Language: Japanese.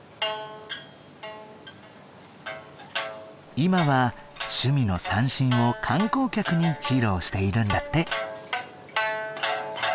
今は趣味の三線を観光客に披露しているんだって。